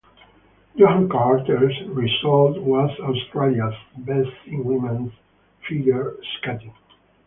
Joanne Carter's result was Australia's best in women's figure skating.